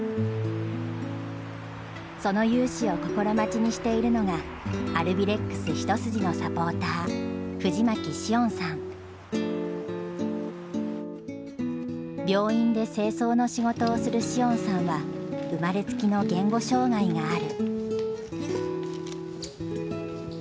その雄姿を心待ちにしているのがアルビレックス一筋のサポーター病院で清掃の仕事をする詩音さんは生まれつきの言語障害がある。